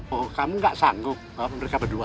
oh kamu tidak sanggup bawa mereka berdua